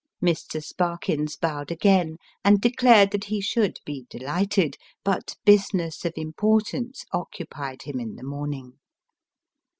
Mr. Sparkins bowed again, and declared that he should be delighted, but business of importance occupied him in the morning.